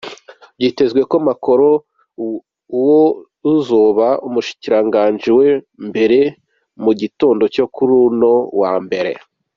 Vyitezwe ko Macronatangaza uwuzoba umushikiranganji wa mbere mu girondo co kuri uno wa mbere.